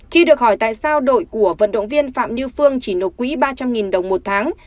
khi được hỏi tại sao đội của vận động viên phạm như phương chỉ nộp quỹ ba trăm linh đồng một tháng